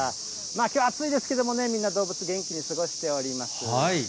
きょうは暑いですけれどもね、みんな、動物元気に過ごしております。